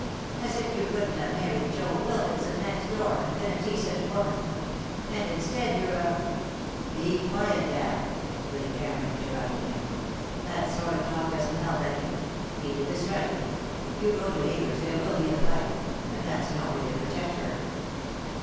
As if you couldn't have married Joe Wilkinson, next door, and been a decent woman. And instead, you're a " "Be quiet, Dan," Willy Cameron interrupted him. "That sort of talk doesn't help any. Edith is right. If you go to Akers there will be a fight. And that's no way to protect her."